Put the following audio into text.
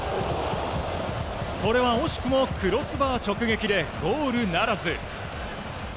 これは惜しくもクロスバー直撃でゴールならず。